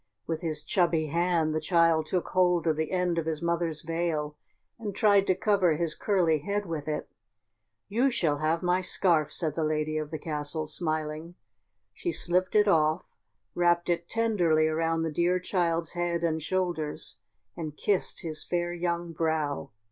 With his chubby hand the child took hold of the end of his mother's veil and tried to cover his curly head with it. "You shall have my scarf," said the lady of the castle, smiling. She slipped it off, wrapped it tenderly around the dear child's head and shoulders, and kissed his fair young brow.